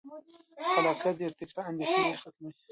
د خلاقیت ارتقا اندیښنې ختموي.